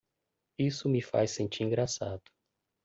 Isso me faz sentir engraçado.